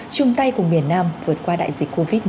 chung tay cùng miền nam vượt qua đại dịch covid một mươi chín